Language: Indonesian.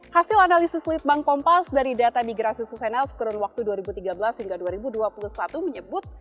hasil analisis litbang kompas dari data migrasi susenaus kurun waktu dua ribu tiga belas hingga dua ribu dua puluh satu menyebut